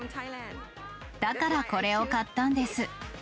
だから、これを買ったんです。